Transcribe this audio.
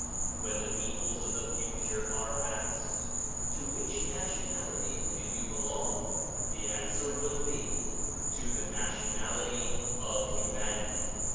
When the people of the future are asked '*To which nationality do you belong?" the answer will be "To the nationality of humanity.